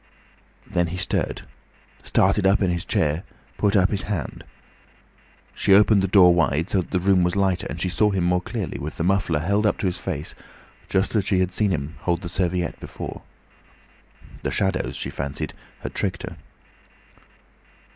Then he stirred, started up in his chair, put up his hand. She opened the door wide, so that the room was lighter, and she saw him more clearly, with the muffler held up to his face just as she had seen him hold the serviette before. The shadows, she fancied, had tricked her.